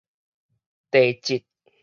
地質